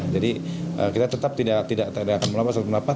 jadi kita tetap tidak akan melapor